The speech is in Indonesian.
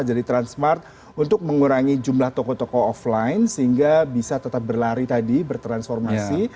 jadi transmart untuk mengurangi jumlah toko toko offline sehingga bisa tetap berlari tadi bertransformasi